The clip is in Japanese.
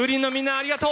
ありがとう！